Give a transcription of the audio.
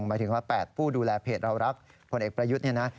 หมายถึงว่า๘ผู้ดูแลเพจเรารักผลเอกประยุทธ์เนี่ยนะ